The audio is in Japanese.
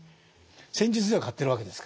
戦術では勝ってるわけですから。